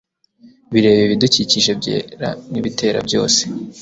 bireba ibidukikije byera ni bitera byose